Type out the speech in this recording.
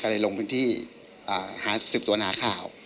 ก็เลยลงพื้นที่หาสืบสวนหาข่าว